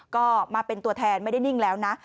ก็มาเป็นตัวแทนไม่ได้นิ่งแล้วนะ